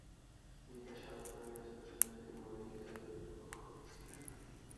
গীতার সর্বত্র ইহা স্পষ্ট যে, তিনি বৈদিক যাগযজ্ঞের পক্ষপাতী ছিলেন না।